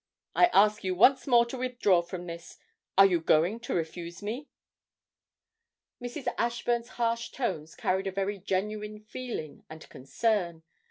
I ask you once more to withdraw from this. Are you going to refuse me?' Mrs. Ashburn's harsh tones carried a very genuine feeling and concern.